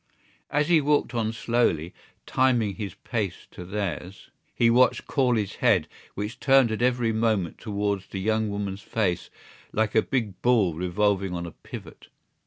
As he walked on slowly, timing his pace to theirs, he watched Corley's head which turned at every moment towards the young woman's face like a big ball revolving on a pivot.